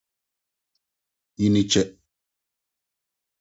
Nyini kyɛ